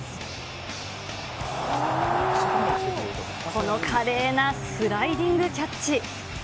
この華麗なスライディングキャッチ。